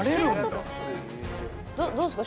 どうですか？